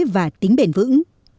và tính bền vững